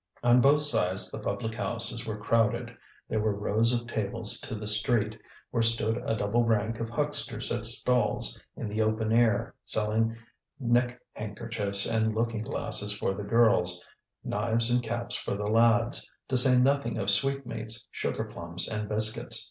On both sides the public houses were crowded; there were rows of tables to the street, where stood a double rank of hucksters at stalls in the open air, selling neck handkerchiefs and looking glasses for the girls, knives and caps for the lads; to say nothing of sweetmeats, sugar plums, and biscuits.